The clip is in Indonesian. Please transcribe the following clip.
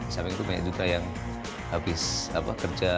sampai itu banyak juga yang habis kerja